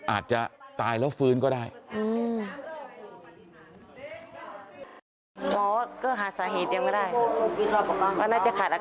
อาจจะตายแล้วฟื้นก็ได้